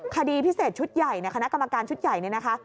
คดีพิเศษชุดใหญ่เนี่ยคณะกรรมการชุดใหญ่เนี่ยนะคะ